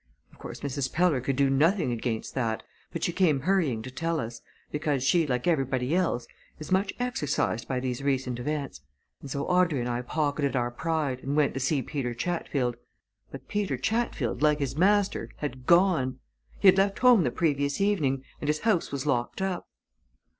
Of course, Mrs. Peller could do nothing against that, but she came hurrying to tell us, because she, like everybody else, is much exercised by these recent events. And so Audrey and I pocketed our pride, and went to see Peter Chatfield. But Peter Chatfield, like his master, had gone! He had left home the previous evening, and his house was locked up."